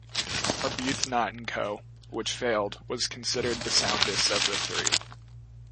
Arbuthnot and Co, which failed, was considered the soundest of the three.